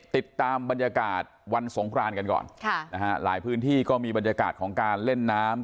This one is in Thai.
ติดตามบรรยากาศวันสงครานกันก่อนค่ะนะฮะหลายพื้นที่ก็มีบรรยากาศของการเล่นน้ำ